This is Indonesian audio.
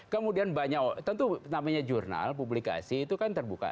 kemudian banyak tentu namanya jurnal publikasi itu kan terbuka